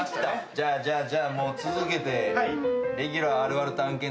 じゃあじゃあじゃあもう続けて。